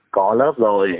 có lớp rồi